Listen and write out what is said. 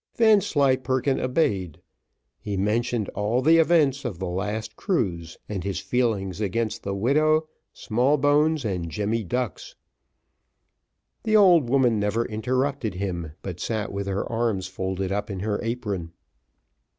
Vanslyperken obeyed; he mentioned all the events of the last cruise, and his feelings against the widow, Smallbones, and Jemmy Ducks. The old woman never interrupted him, but sat with her arms folded up in her apron.